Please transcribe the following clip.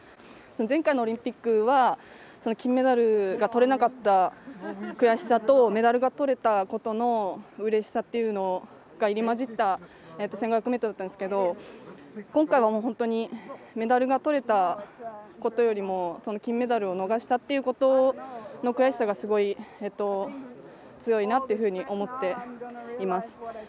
前回のオリンピックは金メダルがとれなかった悔しさとメダルがとれたことのうれしさっていうのが入り混じった１５００ｍだったんですけど今回は、本当にメダルがとれたことよりも金メダルを逃したっていうことの悔しさが、すごい強いなっていうふうに思っています。